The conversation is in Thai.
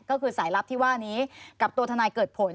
ก็คือควีนเป็นคนติดต่อที่ทนายเกิดผล